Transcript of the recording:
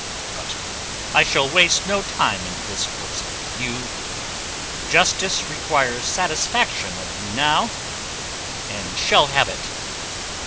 But I shall waste no time in discourse with you. Justice requires satisfaction of you now, and shall have it."